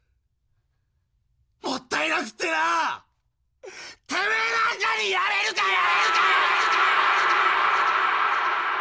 もったいなくってなてめえなんかにやれるかよ！